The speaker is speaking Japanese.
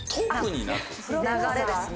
流れですね。